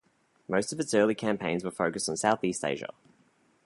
Most of its early campaigns were focused on Southeast Asia.